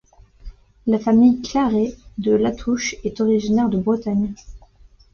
La famille Claret de La touche est originaire de Bretagne.